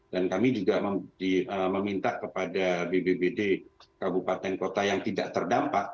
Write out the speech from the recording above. dan kami juga meminta kepada bbbd kabupaten kota yang tidak terdampak